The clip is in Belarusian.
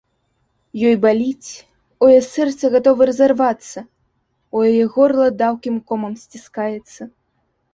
Ёй баліць, у яе сэрца гатова разарвацца, у яе горла даўкім комам сціскаецца.